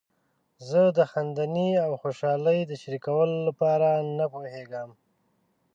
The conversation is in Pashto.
زه د خندنۍ او خوشحالۍ د شریکولو لپاره نه پوهیږم.